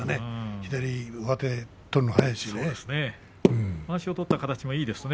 左上手を取るの早いしね。